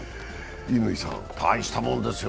乾さん、大したもんだよ。